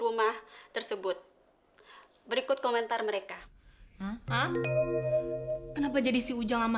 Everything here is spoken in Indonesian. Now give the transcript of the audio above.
rheumah tersebut berikut komentar mereka kenapa jadi si hujung